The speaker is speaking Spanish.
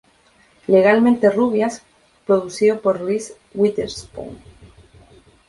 Legalmente Rubias producido por Reese Witherspoon.